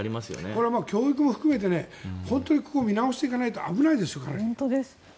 これは教育も含めて本当に見直していかないと危ないです。